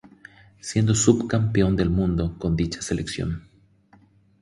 Siendo sub-campeón del mundo con dicha selección.